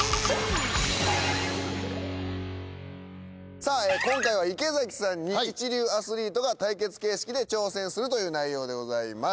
さあ今回は池崎さんに一流アスリートが対決形式で挑戦するという内容でございます。